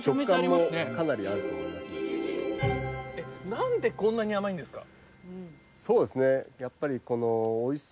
なんでこんなに甘いんですか？